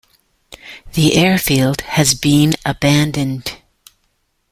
The airfield has been abandoned.